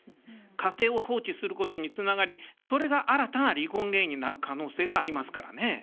家庭を放置することにつながりそれが新たな離婚原因になる可能性がありますからね。